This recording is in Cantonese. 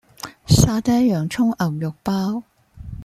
沙爹洋蔥牛肉包